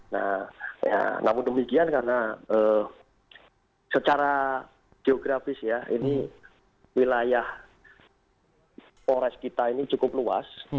nah namun demikian karena secara geografis ya ini wilayah pores kita ini cukup luas